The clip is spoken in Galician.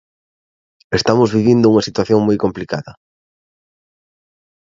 Estamos vivindo unha situación moi complicada.